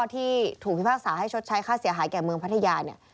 ที่ถูกพิพากษาให้ชดใช้ค่าเสียหายแก่เมืองพัทยาเนี่ย